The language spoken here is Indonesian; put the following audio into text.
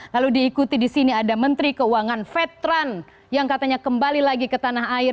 lalu diikuti disini ada menteri keuangan vetran yang katanya kembali lagi ke tanah air